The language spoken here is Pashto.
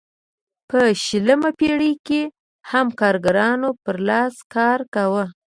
په شلمه پېړۍ کې هم کارګرانو پر لاس کار کاوه.